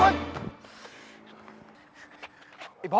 ไอ้บอส